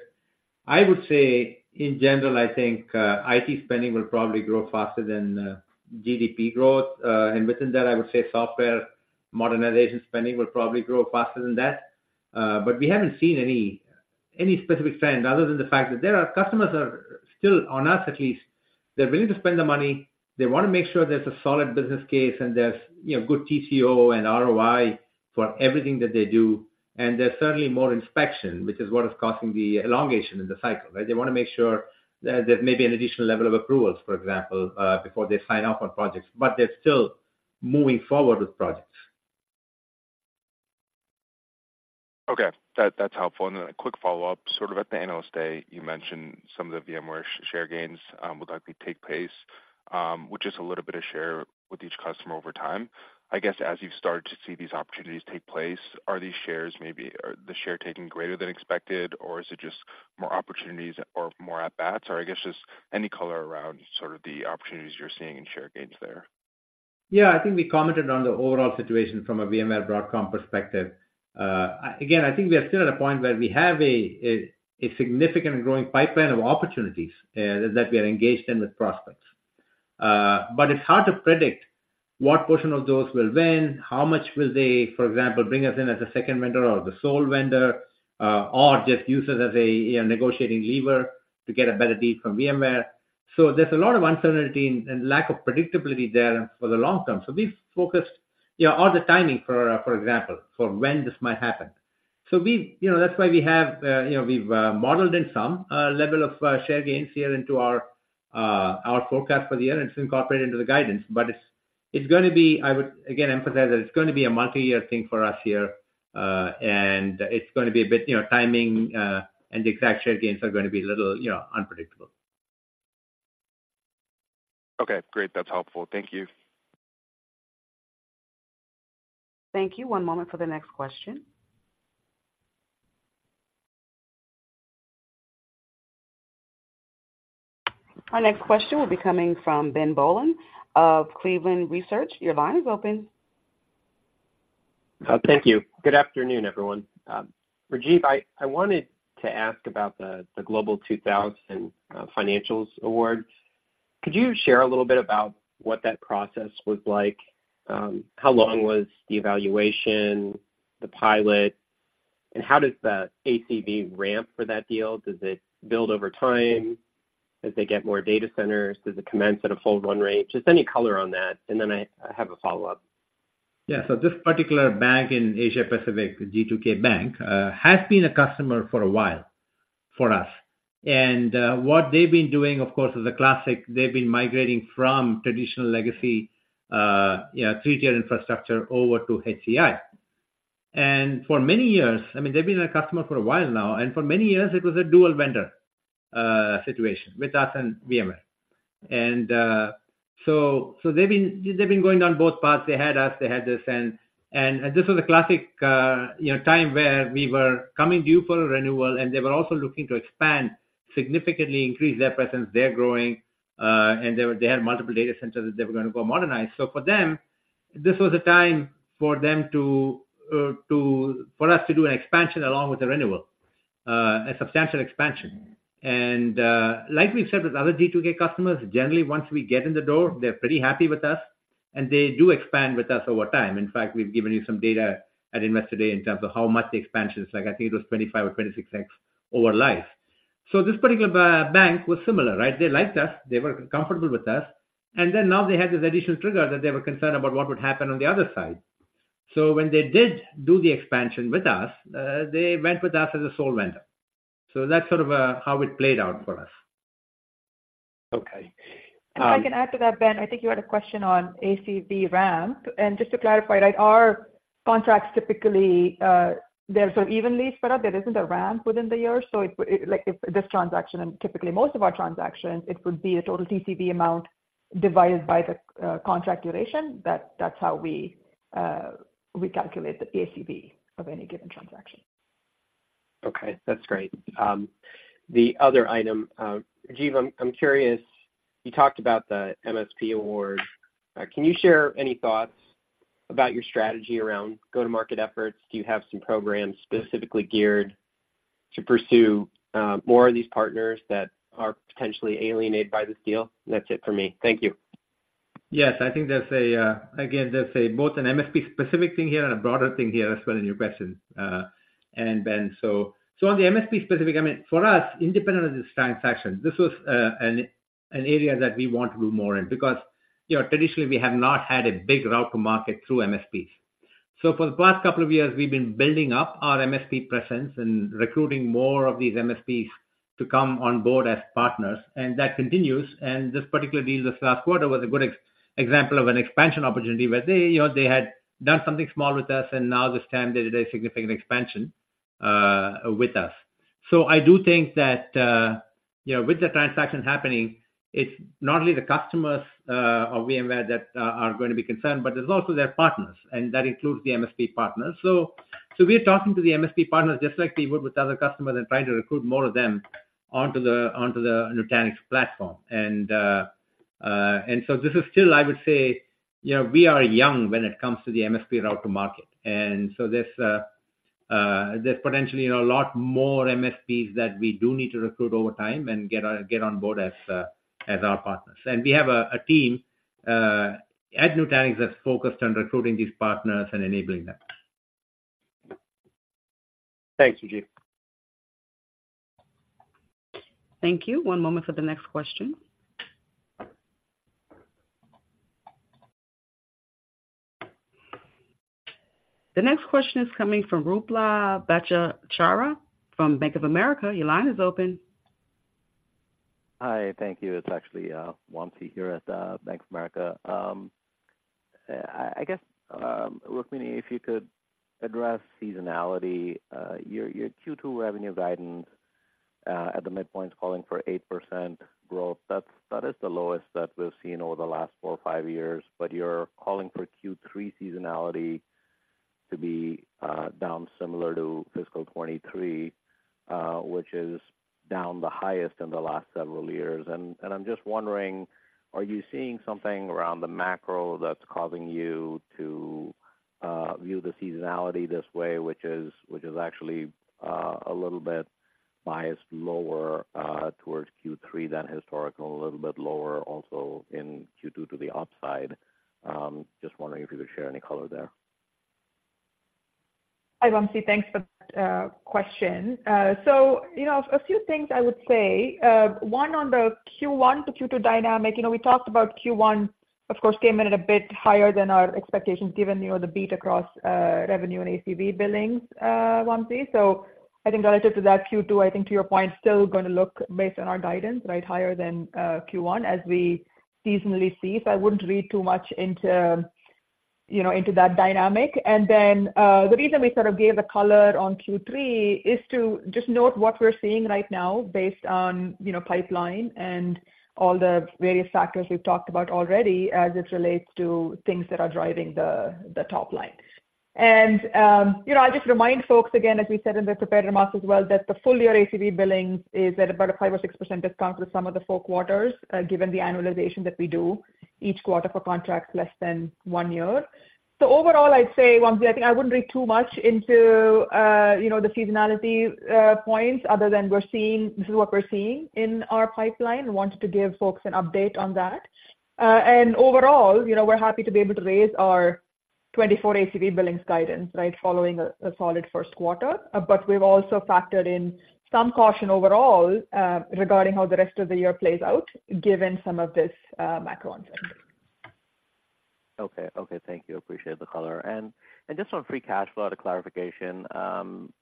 I would say in general, I think IT spending will probably grow faster than GDP growth. And within that, I would say software modernization spending will probably grow faster than that. But we haven't seen any specific trends other than the fact that customers are still, on us at least, they're willing to spend the money. They want to make sure there's a solid business case and there's, you know, good TCO and ROI for everything that they do. There's certainly more inspection, which is what is causing the elongation in the cycle, right? They want to make sure that there's maybe an additional level of approvals, for example, before they sign off on projects, but they're still moving forward with projects. Okay, that's helpful. And then a quick follow-up. Sort of at the Analyst Day, you mentioned some of the VMware share gains would likely take place with just a little bit of share with each customer over time. I guess, as you've started to see these opportunities take place, are these shares maybe... Are the shares taking greater than expected, or is it just more opportunities or more at bats? Or I guess just any color around sort of the opportunities you're seeing in share gains there. Yeah, I think we commented on the overall situation from a VMware Broadcom perspective. Again, I think we are still at a point where we have a significant growing pipeline of opportunities that we are engaged in with prospects. But it's hard to predict what portion of those will win, how much will they, for example, bring us in as a second vendor or the sole vendor, or just use us as a negotiating lever to get a better deal from VMware. So there's a lot of uncertainty and lack of predictability there for the long term. So we've focused, you know, on the timing for, for example, when this might happen. So, you know, that's why we have, you know, we've modeled in some level of share gains here into our forecast for the year, and it's incorporated into the guidance. But it's going to be... I would again emphasize that it's going to be a multi-year thing for us here, and it's going to be a bit, you know, timing, and the exact share gains are going to be a little, you know, unpredictable. Okay, great. That's helpful. Thank you. Thank you. One moment for the next question. Our next question will be coming from Ben Bollin of Cleveland Research. Your line is open. Thank you. Good afternoon, everyone. Rajiv, I wanted to ask about the Global 2000 Financials Awards. Could you share a little bit about what that process was like? How long was the evaluation, the pilot, and how does the ACV ramp for that deal? Does it build over time as they get more data centers? Does it commence at a hold one rate? Just any color on that, and then I have a follow-up. Yeah. So this particular bank in Asia Pacific, G2K Bank, has been a customer for a while for us. And, what they've been doing, of course, is the classic. They've been migrating from traditional legacy, you know, three-tier infrastructure over to HCI. And for many years, I mean, they've been a customer for a while now, and for many years it was a dual vendor, situation with us and VMware. And, so, so they've been, they've been going down both paths. They had us, they had this, and, and, and this was a classic, you know, time where we were coming due for a renewal, and they were also looking to expand, significantly increase their presence. They're growing, and they were- they had multiple data centers that they were going to go modernize. So for them, this was a time for them to, for us to do an expansion along with the renewal, a substantial expansion. And, like we've said, with other G2K customers, generally once we get in the door, they're pretty happy with us, and they do expand with us over time. In fact, we've given you some data at Investor Day in terms of how much the expansion is, like, I think it was 25 or 26x over life. So this particular bank was similar, right? They liked us, they were comfortable with us, and then now they had this additional trigger that they were concerned about what would happen on the other side. So when they did do the expansion with us, they went with us as a sole vendor. So that's sort of, how it played out for us. Okay, um- If I can add to that, Ben, I think you had a question on ACV ramp. And just to clarify, right, our contracts typically, they're so evenly spread out, there isn't a ramp within the year. So it would, like, if this transaction and typically most of our transactions, it would be the total TCV amount divided by the contract duration. That's how we calculate the ACV of any given transaction. Okay, that's great. The other item, Rajiv, I'm curious, you talked about the MSP award. Can you share any thoughts about your strategy around go-to-market efforts? Do you have some programs specifically geared to pursue more of these partners that are potentially alienated by this deal? That's it for me. Thank you. Yes, I think there's a, again, there's a both an MSP specific thing here and a broader thing here as well in your question, and Ben. So on the MSP specific, I mean, for us, independent of this transaction, this was an area that we want to do more in because, you know, traditionally we have not had a big route to market through MSPs. So for the past couple of years, we've been building up our MSP presence and recruiting more of these MSPs to come on board as partners, and that continues. And this particular deal this last quarter was a good example of an expansion opportunity where they, you know, they had done something small with us, and now this time they did a significant expansion with us. So I do think that... Yeah, with the transaction happening, it's not only the customers of VMware that are going to be concerned, but there's also their partners, and that includes the MSP partners. So we're talking to the MSP partners just like we would with other customers and trying to recruit more of them onto the Nutanix platform. And so this is still I would say, you know, we are young when it comes to the MSP go-to-market. And so there's potentially, you know, a lot more MSPs that we do need to recruit over time and get on board as our partners. And we have a team at Nutanix that's focused on recruiting these partners and enabling them. Thanks, Rajiv. Thank you. One moment for the next question. The next question is coming from Ruplu Bhattacharya from Bank of America. Your line is open. Hi. Thank you. It's actually, Wamsi here at, Bank of America. I, I guess, Rukmini, if you could address seasonality, your, your Q2 revenue guidance, at the midpoint is calling for 8% growth. That's, that is the lowest that we've seen over the last four or five years. But you're calling for Q3 seasonality to be, down similar to fiscal 2023, which is down the highest in the last several years. And, and I'm just wondering, are you seeing something around the macro that's causing you to, view the seasonality this way, which is, which is actually, a little bit biased lower, towards Q3 than historical, a little bit lower also in Q2 to the upside? Just wondering if you could share any color there. Hi, Wamsi. Thanks for the question. So, you know, a few things I would say. One, on the Q1-Q2 dynamic, you know, we talked about Q1, of course, came in at a bit higher than our expectations, given, you know, the beat across revenue and ACV billings, Wamsi. So I think relative to that, Q2, I think to your point, still going to look based on our guidance, right, higher than Q1 as we seasonally see. So I wouldn't read too much into, you know, into that dynamic. And then, the reason we sort of gave the color on Q3 is to just note what we're seeing right now based on, you know, pipeline and all the various factors we've talked about already as it relates to things that are driving the top line. You know, I'll just remind folks again, as we said in the prepared remarks as well, that the full year ACV billings is at about a 5%-6% discount to some of the four quarters, given the annualization that we do each quarter for contracts less than one year. So overall, I'd say, Wamsi, I think I wouldn't read too much into, you know, the seasonality points other than we're seeing. This is what we're seeing in our pipeline. Wanted to give folks an update on that. And overall, you know, we're happy to be able to raise our 2024 ACV billings guidance, right, following a solid first quarter. But we've also factored in some caution overall, regarding how the rest of the year plays out, given some of this macro uncertainty. Okay. Okay, thank you. Appreciate the color. And just on free cash flow, to clarification,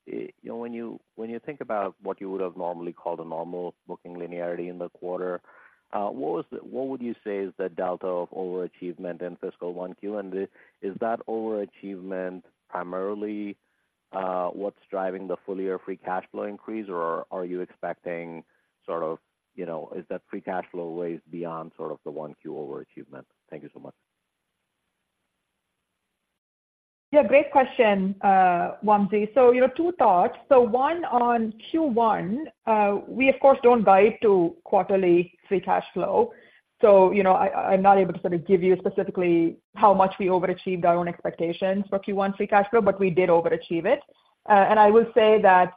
you know, when you think about what you would have normally called a normal booking linearity in the quarter, what would you say is the delta of overachievement in fiscal 1Q? And is that overachievement primarily what's driving the full year free cash flow increase, or are you expecting sort of, you know, is that free cash flow ways beyond sort of the 1Q overachievement? Thank you so much. Yeah, great question, Wamsi. So, you know, two thoughts. So one, on Q1, we of course don't guide to quarterly free cash flow. So, you know, I, I'm not able to sort of give you specifically how much we overachieved our own expectations for Q1 free cash flow, but we did overachieve it. And I will say that,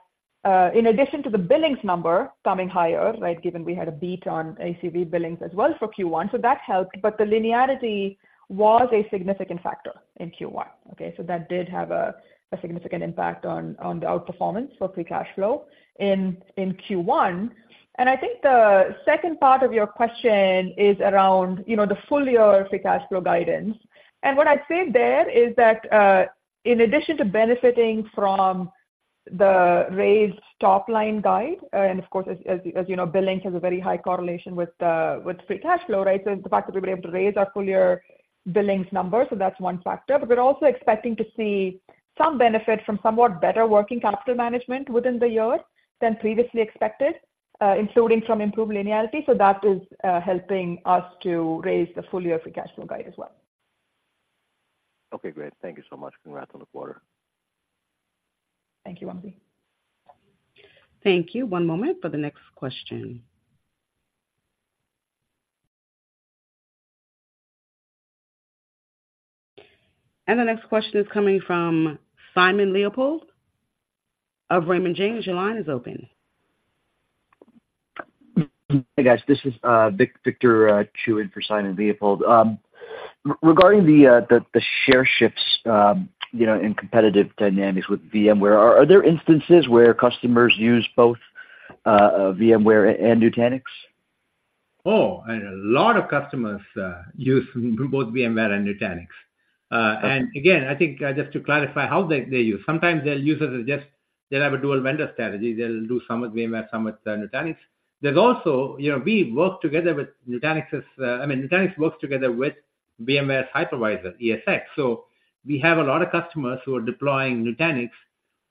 in addition to the billings number coming higher, right, given we had a beat on ACV billings as well for Q1, so that helped. But the linearity was a significant factor in Q1, okay? So that did have a significant impact on the outperformance for free cash flow in Q1. And I think the second part of your question is around, you know, the full year free cash flow guidance. What I'd say there is that, in addition to benefiting from the raised top-line guide, and of course, as, as, as you know, billings has a very high correlation with, with free cash flow, right? So the fact that we were able to raise our full year billings number, so that's one factor. But we're also expecting to see some benefit from somewhat better working capital management within the year than previously expected, including from improved linearity. So that is, helping us to raise the full year free cash flow guide as well. Okay, great. Thank you so much. Congrats on the quarter. Thank you, Wamsi. Thank you. One moment for the next question. The next question is coming from Simon Leopold of Raymond James. Your line is open. Hey, guys, this is Victor Chiu in for Simon Leopold. Regarding the share shifts, you know, in competitive dynamics with VMware, are there instances where customers use both VMware and Nutanix? Oh, a lot of customers use both VMware and Nutanix. And again, I think just to clarify how they use. Sometimes their users will just... They'll have a dual vendor strategy. They'll do some with VMware, some with Nutanix. There's also, you know, we work together with Nutanix's... I mean, Nutanix works together with VMware's hypervisor, ESX. So we have a lot of customers who are deploying Nutanix...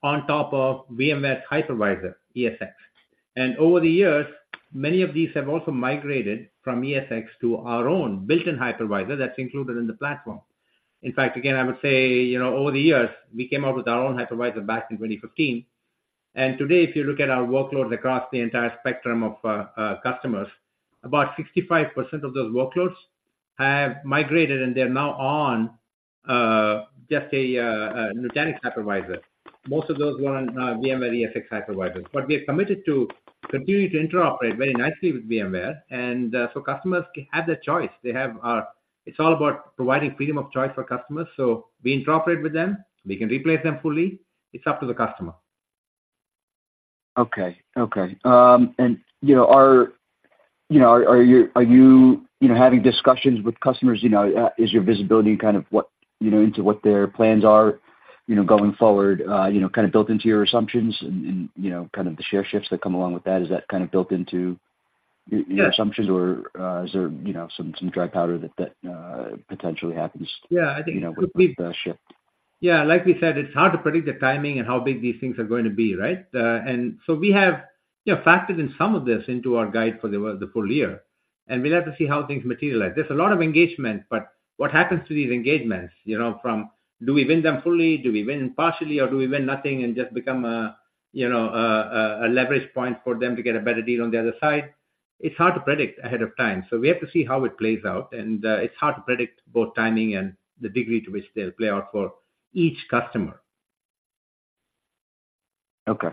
on top of VMware's hypervisor, ESX. And over the years, many of these have also migrated from ESX to our own built-in hypervisor that's included in the platform. In fact, again, I would say, you know, over the years, we came up with our own hypervisor back in 2015, and today, if you look at our workloads across the entire spectrum of customers, about 65% of those workloads have migrated, and they're now on just a Nutanix hypervisor. Most of those were on VMware ESX hypervisor. But we are committed to continuing to interoperate very nicely with VMware, and so customers have the choice. They have, it's all about providing freedom of choice for customers. So we interoperate with them. We can replace them fully. It's up to the customer. Okay. Okay. And, you know, are you having discussions with customers, you know, is your visibility kind of what, you know, into what their plans are, you know, going forward, you know, kind of built into your assumptions and, you know, kind of the share shifts that come along with that? Is that kind of built into your assumptions- Yeah. or, is there, you know, some dry powder that potentially happens- Yeah, I think- You know, with the shift. Yeah, like we said, it's hard to predict the timing and how big these things are going to be, right? And so we have, you know, factored in some of this into our guide for the full year, and we'll have to see how things materialize. There's a lot of engagement, but what happens to these engagements, you know, from do we win them fully, do we win partially, or do we win nothing and just become a, you know, a leverage point for them to get a better deal on the other side? It's hard to predict ahead of time, so we have to see how it plays out. And it's hard to predict both timing and the degree to which they'll play out for each customer. Okay.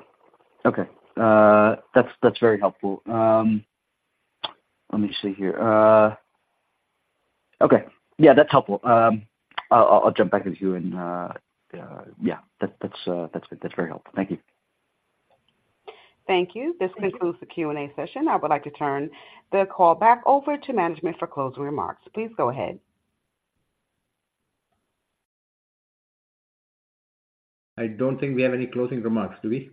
Okay. That's, that's very helpful. Let me see here. Okay. Yeah, that's helpful. I'll, I'll jump back with you and, yeah, that, that's, that's, that's very helpful. Thank you. Thank you. This concludes the Q&A session. I would like to turn the call back over to management for closing remarks. Please go ahead. I don't think we have any closing remarks, do we?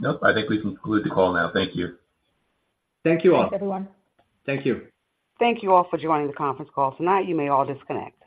Nope. I think we can conclude the call now. Thank you. Thank you, all. Thanks, everyone. Thank you. Thank you all for joining the conference call tonight. You may all disconnect.